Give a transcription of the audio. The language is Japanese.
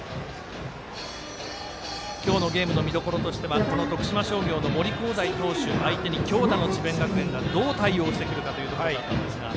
今日のゲームの見どころとしては徳島商業の森煌誠投手相手に強打の智弁学園がどう対応してくるかというところだったんですが。